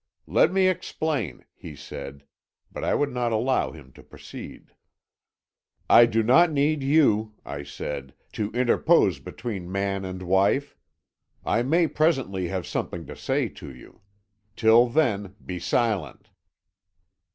'Let me explain,' he said, but I would not allow him to proceed. "'I do not need you,' I said, 'to interpose between man and wife. I may presently have something to say to you. Till then, be silent.'